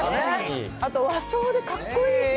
あと和装でかっこいい。